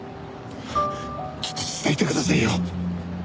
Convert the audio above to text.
きっと伝えてくださいよ。